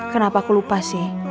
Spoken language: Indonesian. kenapa aku lupa sih